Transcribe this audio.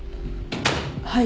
はい。